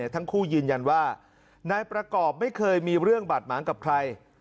ทั้งคู่ยืนยันว่านายประกอบไม่เคยมีเรื่องบาดหมางกับใคร